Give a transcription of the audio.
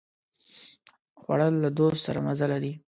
خوړل له دوست سره مزه لري